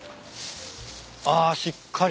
あしっかり。